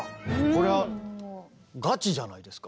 こりゃあガチじゃないですか。